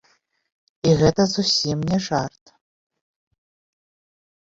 І гэта зусім не жарт.